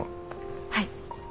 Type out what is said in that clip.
はい。